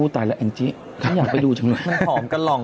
ตัวบ้างกับผู้หญิง